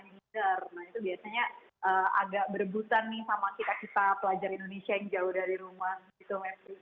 nah itu biasanya agak berebutan nih sama kita kita pelajar indonesia yang jauh dari rumah gitu mas